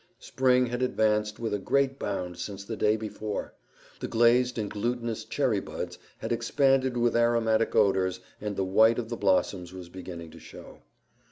Spring had advanced with a great bound since the day before. The glazed and glutinous cherry buds had expanded with aromatic odors and the white of the blossoms was beginning to show.